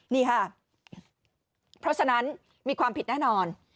นี่ค่ะเพราะฉะนั้นมีความผิดแน่นอน